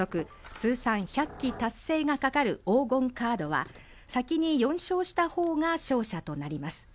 通算１００期達成がかかる黄金カードは先に４勝した方が勝者となります。